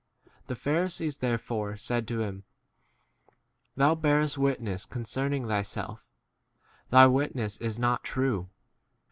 The Pharisees therefore said to him, Thou * bearest witness con cerning thyself ; thy witness is not 11 true.